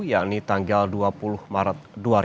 yakni tanggal dua puluh maret dua ribu dua puluh